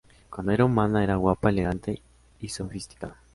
Cuando era humana, era guapa, elegante y sofisticada.